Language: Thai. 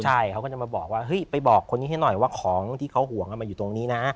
ใช่เขาก็จะมาบอกว่าเฮ้ยไปบอกคนนี้ให้หน่อยว่าของที่เขาห่วงมันอยู่ตรงนี้นะ